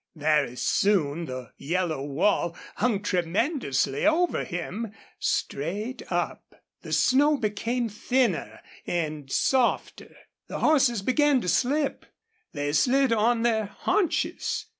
Very soon the yellow wall hung tremendously over him, straight up. The snow became thinner and softer. The horses began to slip. They slid on their haunches.